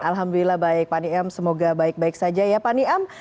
alhamdulillah baik pak niam semoga baik baik saja ya pak niam